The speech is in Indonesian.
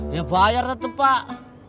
ya bayar tetep pak